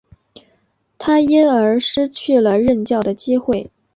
他因而失去了任教的机会。